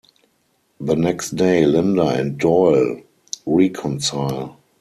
The next day, Linda and Doyle reconcile.